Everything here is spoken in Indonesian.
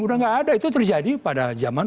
udah gak ada itu terjadi pada zaman